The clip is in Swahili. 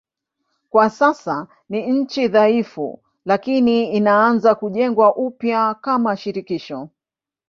Kwa sasa ni nchi dhaifu lakini inaanza kujengwa upya kama shirikisho.